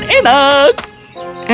kau bisa mendapatkan makanan enak